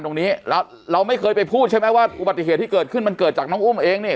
ตัวนี้เราไม่เคยไปพูดใช่ไหมว่าเป็นเกิดมันเกิดจากน้องอ้มเองเนี่ย